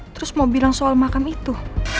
terus mau bilang soal makam itu